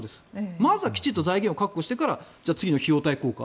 まずはきちんと財源を確保してから次の費用対効果